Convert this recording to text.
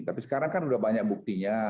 tapi sekarang kan sudah banyak buktinya